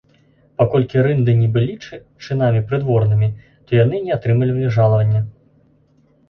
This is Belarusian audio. Паколькі рынды не былі чынамі прыдворнымі, то яны не атрымлівалі жалавання.